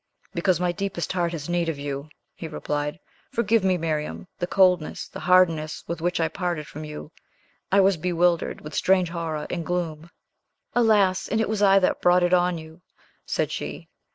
"Because my deepest heart has need of you!" he replied. "Forgive, Miriam, the coldness, the hardness with which I parted from you! I was bewildered with strange horror and gloom." "Alas! and it was I that brought it on you," said she.